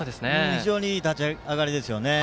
非常にいい立ち上がりです。